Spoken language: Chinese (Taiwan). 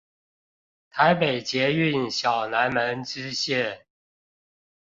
台北捷運小南門支線